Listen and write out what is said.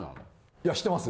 いやしてます。